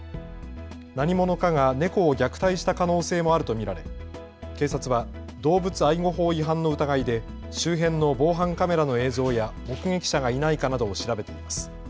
何者かが猫を虐待した可能性もあると見られ警察は動物愛護法違反の疑いで周辺の防犯カメラの映像や目撃者がいないかなどを調べています。